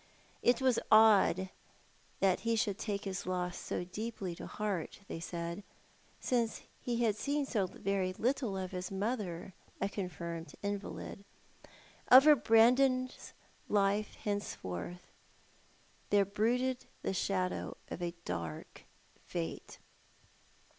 It was odd that he should take his loss so deeply to heart, they said, since he had seen very little of his mother, a confirmed invalid. Over Brandon's life henceforth there brooded the shadow of a dark fate.